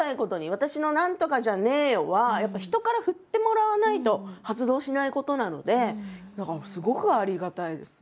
私の「何とかじゃねーよ！」はやっぱ人から振ってもらわないと発動しないことなのでだからすごくありがたいです。